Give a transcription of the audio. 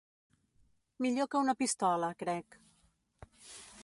Millor que una pistola, crec.